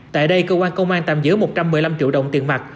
tại đây cơ quan công an tạm giữ một trăm một mươi năm triệu đồng tiền mặt